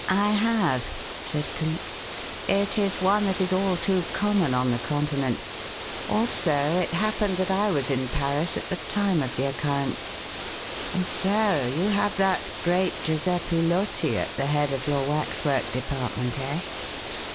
"I have," said Cleek. "It is one that is all too common on the Continent. Also, it happened that I was in Paris at the time of the occurrence. And so you have that great Giuseppe Loti at the head of your waxwork department, eh?